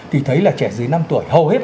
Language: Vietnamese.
thì thấy là trẻ dưới năm tuổi hầu hết